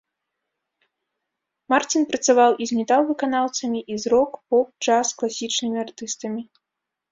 Марцін працаваў і з метал-выканаўцамі, і з рок-, поп-, джаз-, класічнымі артыстамі.